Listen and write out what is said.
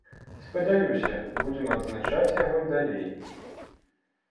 Спадзяюся, будзем адзначаць яго і далей.